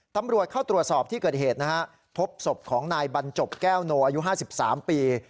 ตำรวจเข้าตรวจสอบที่เกิดเหตุนะฮะพบศพของนายบรรจบแก้วโนอายุ๕๓ปี